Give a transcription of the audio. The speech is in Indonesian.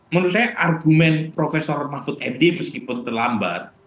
menurut saya argumen prof mahfud md meskipun terlambat